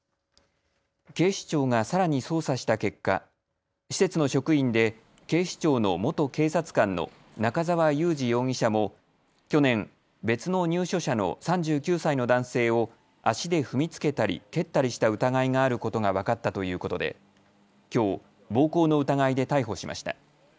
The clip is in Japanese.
警視庁がさらに捜査した結果、施設の職員で警視庁の元警察官の中澤雄治容疑者も去年、別の入所者の３９歳の男性を足で踏みつけたり蹴ったりした疑いがあることが分かったということできょう暴行の疑いで逮捕しました。